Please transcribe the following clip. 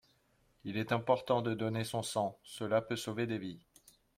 Il est important de donner son sang, cela peut sauver des vies.